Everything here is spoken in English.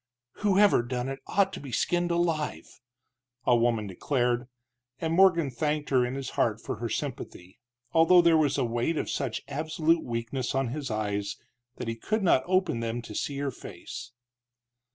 "Whoever done it ought to be skinned alive!" a woman declared, and Morgan thanked her in his heart for her sympathy, although there was a weight of such absolute weakness on his eyes that he could not open them to see her face.